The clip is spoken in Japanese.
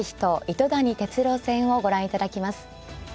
糸谷哲郎戦をご覧いただきます。